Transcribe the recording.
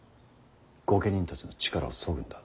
御家人たちの力をそぐんだ。